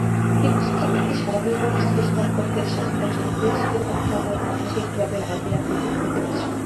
পিতৃতান্ত্রিক সমাজব্যবস্থায় সম্পর্কের সংকটে বেশির ভাগ সময়ই মানসিকভাবে নারী বেশি ক্ষতিগ্রস্ত হন।